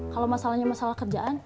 kalau masalahnya masalah kerjaan